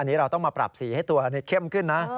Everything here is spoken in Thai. อันนี้เราต้องมาปรับสีให้ตัวอันนี้เข้มขึ้นนะ